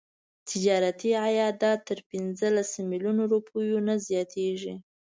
تجارتي عایدات تر پنځلس میلیونه روپیو نه زیاتیږي.